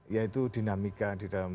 yaitu dinamika di dalam